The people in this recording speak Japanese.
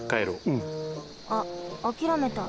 うん。あっあきらめた。